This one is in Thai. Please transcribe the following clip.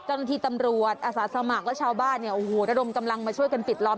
เจ้าหน้าที่ตำรวจอาสาสมัครและชาวบ้านเนี่ยโอ้โหระดมกำลังมาช่วยกันปิดล้อม